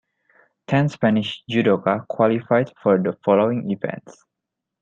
Ten Spanish judoka qualified for the following events.